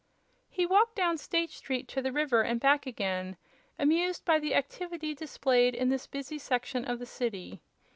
He walked down State Street to the river and back again, amused by the activity displayed in this busy section of the city.